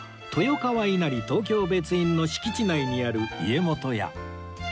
豊川稲荷東京別院の敷地内にある家元屋